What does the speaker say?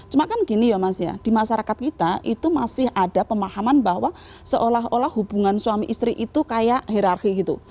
cuma kan gini ya mas ya di masyarakat kita itu masih ada pemahaman bahwa seolah olah hubungan suami istri itu kayak hirarki gitu